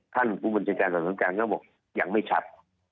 ท่านผู้บัญชาการศักดิ์สำคัญก็บอกอย่างไม่ชัด